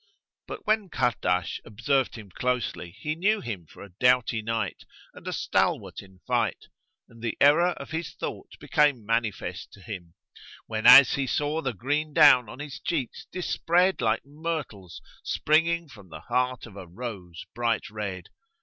But when Kahrdash observed him closely he knew him for a doughty knight and a stalwart in fight; and the error of his thought became manifest to him, whenas he saw the green down on his cheeks dispread like myrtles springing from the heart of a rose bright red.